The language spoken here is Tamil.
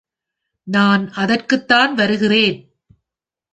நான் அதற்குத் தான் வருகிறேன்.